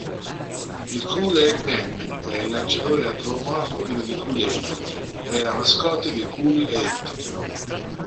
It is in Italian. Il "Kool-Aid Man", è lanciatore antropomorfo pieno di Kool-Aid, è la mascotte di Kool-Aid.